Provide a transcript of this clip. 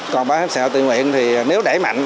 còn bảo hiểm xã hội tự nguyện thì nếu đẩy mạnh